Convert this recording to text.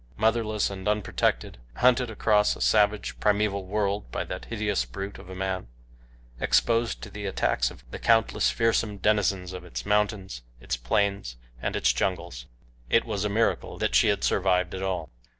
Motherless and unprotected; hunted across a savage, primeval world by that hideous brute of a man; exposed to the attacks of the countless fearsome denizens of its mountains, its plains, and its jungles it was a miracle that she had survived it all.